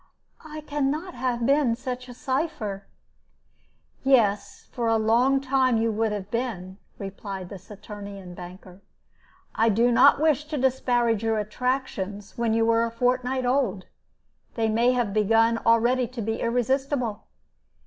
I can not have been such a cipher." "Yes, for a long time you would have been," replied the Saturnian banker. "I do not wish to disparage your attractions when you were a fortnight old. They may have begun already to be irresistible.